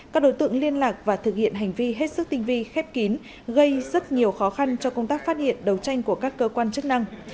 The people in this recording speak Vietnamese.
các đối tượng liên lạc và thực hiện hành vi hết sức tinh vi khép kín gây rất nhiều khó khăn cho công tác phát hiện đấu tranh của các cơ quan chức năng